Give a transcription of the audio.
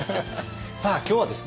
さあ今日はですね